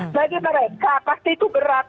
bagi mereka pasti itu berat